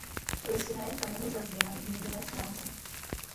Listina je v kameni zazděna v měděné schránce.